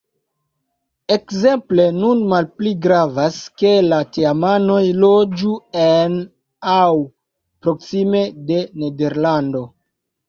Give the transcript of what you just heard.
Ekzemple nun malpli gravas, ke la teamanoj loĝu en aŭ proksime de Nederlando.